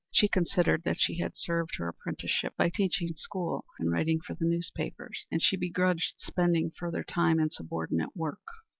She considered that she had served her apprenticeship by teaching school and writing for the newspapers, and she begrudged spending further time in subordinate work.